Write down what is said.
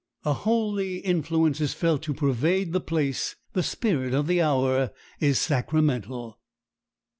A holy influence is felt to pervade the place; the spirit of the hour is sacramental.